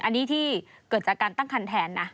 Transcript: อันนี้ที่เกิดจากการตั้งคันแทนนะ